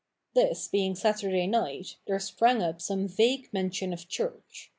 This being Saturday night, there sprang up some vague mention of church.